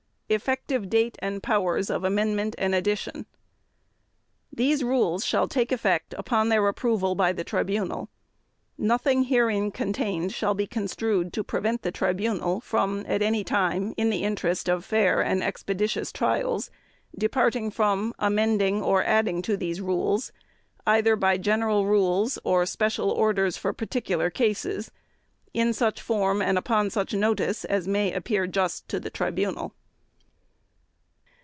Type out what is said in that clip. Effective Date and Powers of Amendment and Addition. These Rules shall take effect upon their approval by the Tribunal. Nothing herein contained shall be construed to prevent the Tribunal from, at any time, in the interest of fair and expeditious trials, departing from, amending, or adding to these Rules, either by general rules or special orders for particular cases, in such form and upon such notice as may appear just to the Tribunal.